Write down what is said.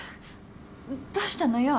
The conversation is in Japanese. どうしたのよ？